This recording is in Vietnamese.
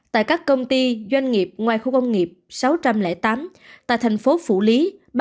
tại các công ty doanh nghiệp ngoài khu công nghiệp sáu trăm linh tám tại thành phố phủ lý ba một trăm linh năm